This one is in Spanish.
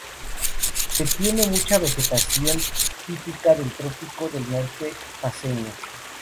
Se tiene mucha vegetación típica del trópico del norte paceño.